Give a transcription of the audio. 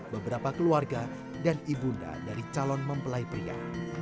beberapa keluarga dan ibunda dari calon mempelai pria